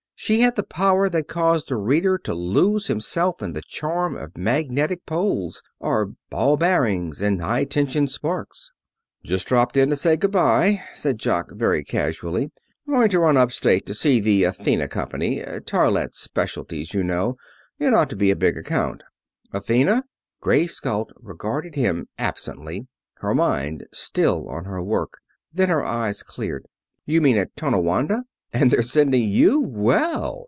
She had the power that caused the reader to lose himself in the charm of magnetic poles, and ball bearings, and high tension sparks. "Just dropped in to say good by," said Jock, very casually. "Going to run up state to see the Athena Company toilette specialties, you know. It ought to be a big account." "Athena?" Grace Galt regarded him absently, her mind still on her work. Then her eyes cleared. "You mean at Tonawanda? And they're sending you! Well!"